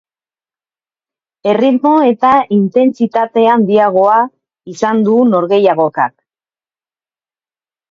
Erritmo eta intentsitate handiagoa izan du norgehiagokak.